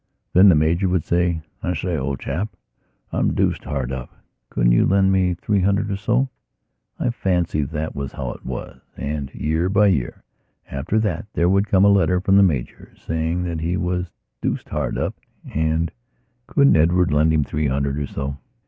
Then the Major would say: "I say, old chap, I'm deuced hard up. Couldn't you lend me three hundred or so?" I fancy that was how it was. And, year by year, after that there would come a letter from the Major, saying that he was deuced hard up and couldn't Edward lend him three hundred or so?